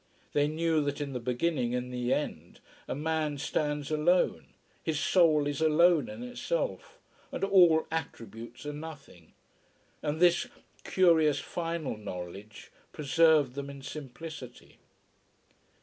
They knew that in the beginning and in the end a man stands alone, his soul is alone in itself, and all attributes are nothing and this curious final knowledge preserved them in simplicity.